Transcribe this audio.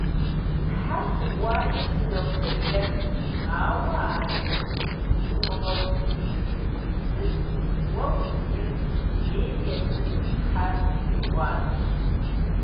Тхьэ щыпӀуакӀэ сынопсэлъэнщ, ауэ а лӏыр сумыгъэукӀыжу щытмэ, уэ узукӀынщ, жери езыми тхьэ иӀуащ.